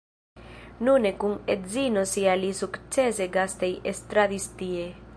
Kune kun edzino sia li sukcese gastej-estradis tie.